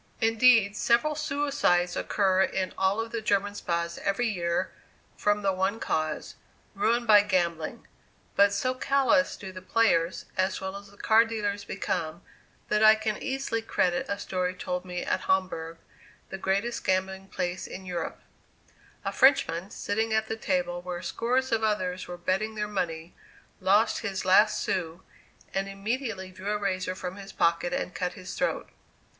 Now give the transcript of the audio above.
Indeed, several suicides occur in all the German spas every year from the one cause ruin by gambling; but so callous do the players, as well as the card dealers become, that I can easily credit a story told me at Homburg, the greatest gambling place in Europe: A Frenchman, sitting at the table where scores of others were betting their money, lost his last sou, and immediately drew a razor from his pocket and cut his throat.